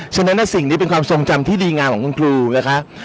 ฉะนั้นสิ่งนี้เป็นความทรงจำที่ดีงามของคุณครูนะคะ